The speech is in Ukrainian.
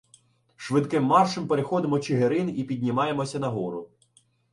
Швидким маршем переходимо Чигирин і піднімаємося на гору.